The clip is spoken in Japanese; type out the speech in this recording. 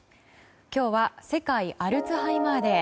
今日は世界アルツハイマーデー。